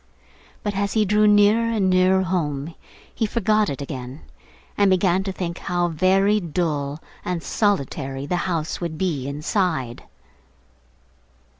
But as he drew nearer and nearer home he forgot it again, and began to think how very dull and solitary the house would be inside.